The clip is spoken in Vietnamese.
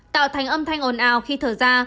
tạo thành âm thanh ồn ào khi thở ra